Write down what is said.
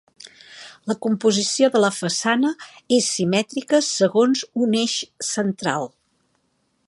La composició de la façana és simètrica segons un eix central.